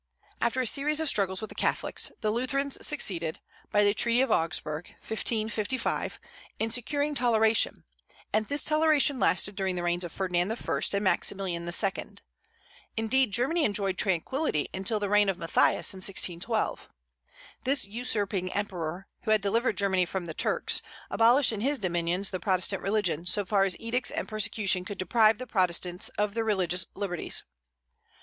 After a series of struggles with the Catholics, the Lutherans succeeded, by the treaty of Augsburg (1555), in securing toleration; and this toleration lasted during the reigns of Ferdinand I. and Maximilian II. Indeed, Germany enjoyed tranquillity until the reign of Matthias, in 1612. This usurping emperor, who had delivered Germany from the Turks, abolished in his dominions the Protestant religion, so far as edicts and persecution could deprive the Protestants of their religious liberties.